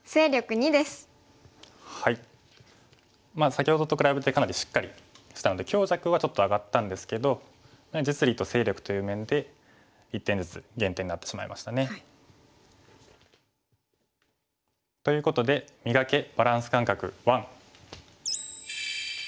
先ほどと比べてかなりしっかりしたので強弱はちょっと上がったんですけど実利と勢力という面で１点ずつ減点になってしまいましたね。ということで「磨け！バランス感覚１」。